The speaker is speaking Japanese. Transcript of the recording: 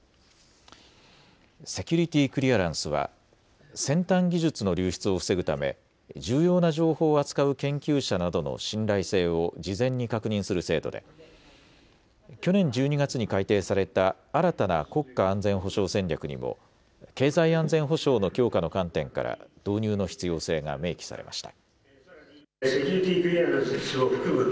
セキュリティークリアランスは先端技術の流出を防ぐため重要な情報を扱う研究者などの信頼性を事前に確認する制度で去年１２月に改定された新たな国家安全保障戦略にも経済安全保障の強化の観点から導入の必要性が明記されました。